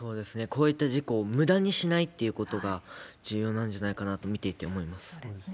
こういった事故をむだにしないっていうことが重要なんじゃないかなと、見ていて思います。